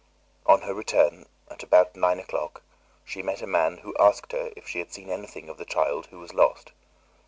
On her return, at about nine o'clock, she met a man who asked her if she had seen anything of the child who was lost.